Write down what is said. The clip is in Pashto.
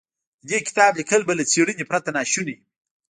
د دې کتاب ليکل به له څېړنې پرته ناشوني و.